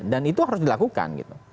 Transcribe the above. dan itu harus dilakukan